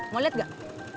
mau liat gak